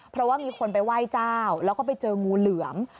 เพราะว่ามีคนไปไหว้เจ้าแล้วก็ไปเจองูเหลือม